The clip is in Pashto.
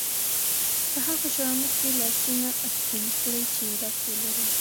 په هغو شيانو کې لاسونه ښکېل کړي چې ربط ولري.